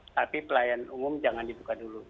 tapi pelayan umum jangan dibuka dulu